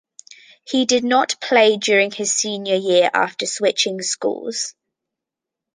He did not play during his senior year after switching schools.